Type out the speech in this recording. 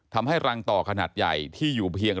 ทำให้รังต่อขนาดใหญ่ที่อยู่เพียง